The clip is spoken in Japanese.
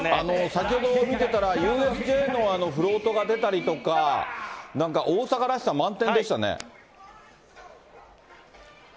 先ほど見てたら、ＵＳＪのフロートが出たりとか、なんか大阪らしさ満点でしたね。